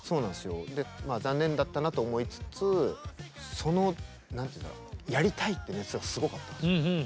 残念だったなと思いつつそのやりたいっていう熱がすごかったんですよ。